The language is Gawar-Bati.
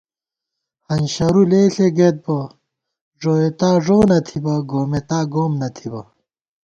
ہنشرُو لېݪے گئیت بہ ݫوئیتا ݫو نہ تھِبہ گومېتا گوم نہ تھِبہ